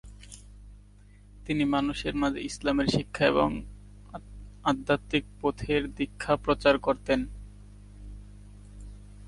তিনি মানুষের মাঝে ইসলামের শিক্ষা এবং আধ্যাত্বিক পথের দীক্ষা প্রচার করতেন।